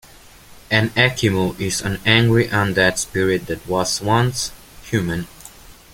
An ekimmu is an angry undead spirit that was once human.